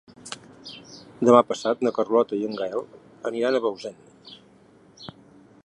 Demà passat na Carlota i en Gaël aniran a Bausen.